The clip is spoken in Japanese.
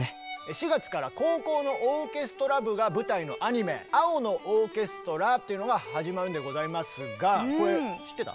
４月から高校のオーケストラ部が舞台のアニメ「青のオーケストラ」というのが始まるんでございますがこれ知ってた？